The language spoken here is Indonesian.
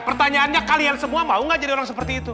pertanyaannya kalian semua mau gak jadi orang seperti itu